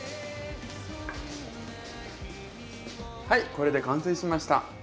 はいこれで完成しました。